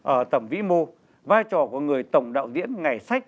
ở tầm vĩ mô vai trò của người tổng đạo diễn ngày sách